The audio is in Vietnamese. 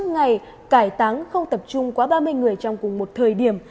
một trăm linh ngày cải táng không tập trung quá ba mươi người trong cùng một thời điểm